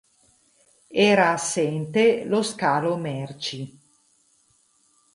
Era assente lo scalo merci.